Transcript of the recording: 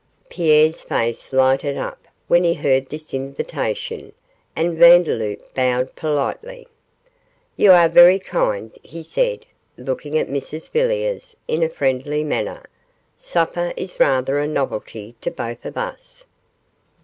Pierre's face lighted up when he heard this invitation, and Vandeloup bowed politely. 'You are very kind,' he said, looking at Mrs Villiers in a friendly manner; 'supper is rather a novelty to both of us.